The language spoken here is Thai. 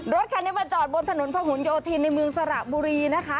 รถคันนี้มาจอดบนถนนพระหุนโยธินในเมืองสระบุรีนะคะ